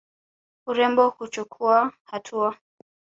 Urembo huchukuwa hatua.